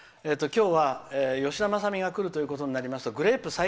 今日は吉田政美が来るということになりますとグレープ